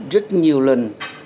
rất nhiều lần